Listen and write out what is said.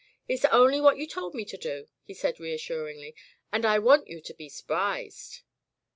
"It's only what you told me to do," he said reassuringly, "and I want you to be s'prized."